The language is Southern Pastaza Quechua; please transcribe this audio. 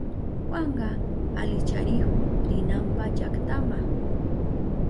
Juanka alicharihun rinanpa llaktama.